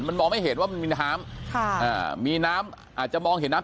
มันมองไม่เห็นว่ามันมีน้ำค่ะอ่ามีน้ำอาจจะมองเห็นน้ำ